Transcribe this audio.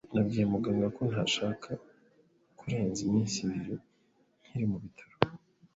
Nabwiye muganga ko ntashaka kurenza iminsi ibiri nkiri mu bitaro